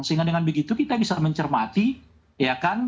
sehingga dengan begitu kita bisa mencermati ya kan